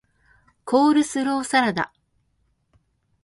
コールスローサラダ